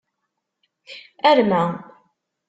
Arma.